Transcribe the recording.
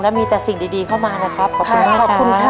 แล้วมีแต่สิ่งดีเข้ามานะครับขอบคุณมากครับ